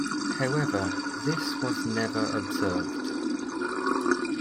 However, this was never observed.